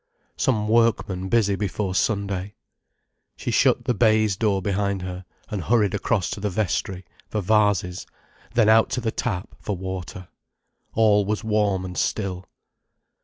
Some workman busy before Sunday. She shut the baize door behind her, and hurried across to the vestry, for vases, then out to the tap, for water. All was warm and still.